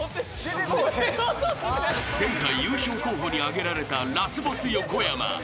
［前回優勝候補に挙げられたラスボス横山。